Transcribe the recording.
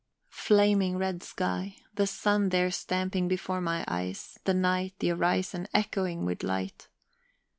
Flaming red sky, the sun there stamping before my eyes; the night, the horizon, echoing with light.